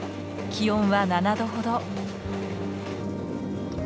気温は７度ほど。